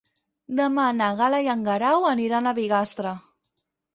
Demà na Gal·la i en Guerau aniran a Bigastre.